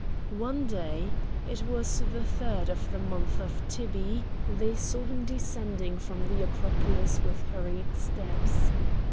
One day—it was the third of the month of Tibby—they saw him descending from the Acropolis with hurried steps.